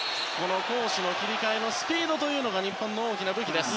攻守の切り替えのスピードが日本の大きな武器です。